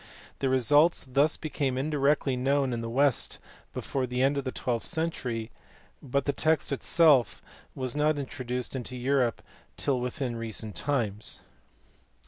The results thus became indirectly known in the West before the end of the twelfth century, but the text itself was not intro duced into Europe till within recent times.